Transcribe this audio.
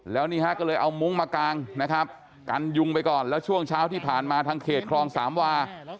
แล้วนี่ฮะก็เลยเอามุ้งมากางนะครับกันยุงไปก่อนแล้วช่วงเช้าที่ผ่านมาทางเขตคลองสามวา